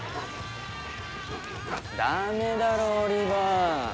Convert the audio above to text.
ダメだろオリバー。